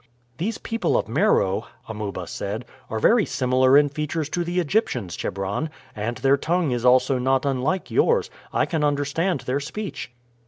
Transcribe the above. "These people of Meroe," Amuba said, "are very similar in features to the Egyptians, Chebron. And their tongue is also not unlike yours; I can understand their speech."